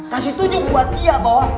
kasih tunjuk buat dia bahwa